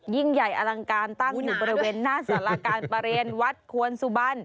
ยิ่งใหญ่อลังการตั้งอยู่บริเวณหน้าสารการประเรียนวัดควรสุบัน